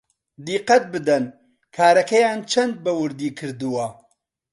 دیقەت بدەن کارەکەیان چەند بەوردی کردووە